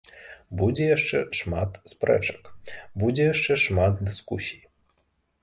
Будзе яшчэ шмат спрэчак, будзе яшчэ шмат дыскусій.